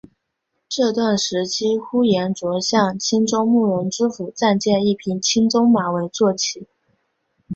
这段时期呼延灼向青州慕容知府暂借一匹青鬃马为坐骑。